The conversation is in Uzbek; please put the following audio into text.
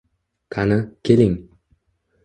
Qani, keling!